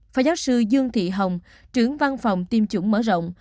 phó giáo sư dương thị hồng trưởng văn phòng tiêm chủng mở rộng